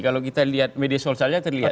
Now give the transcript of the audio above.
kalau kita lihat media sosialnya terlihat